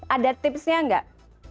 ada tipsnya enggak